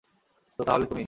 তো, তাহলে তুমি?